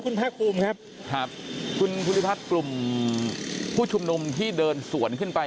คุณพระคุมครับครับคุณผู้ชุมนมที่เดินสวนขึ้นไป